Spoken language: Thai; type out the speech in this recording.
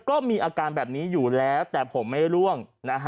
ก็มีอาการแบบนี้อยู่แล้วแต่ผมไม่ร่วง